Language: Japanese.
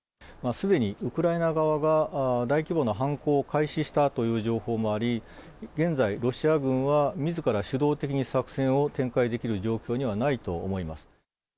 すでにウクライナ側が、大規模な反攻を開始したという情報もあり、現在、ロシア軍は、みずから主導的に作戦を展開できる状況にはないと思います。